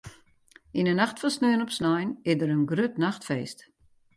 Yn 'e nacht fan sneon op snein is der in grut nachtfeest.